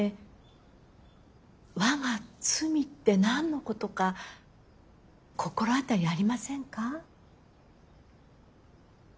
「わが罪」って何のことか心当たりありませんか？